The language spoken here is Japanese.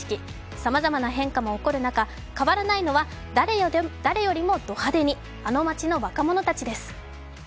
さまざまな変化も起こる中、変わらないのは、誰よりもド派手にあの町の若者たちです。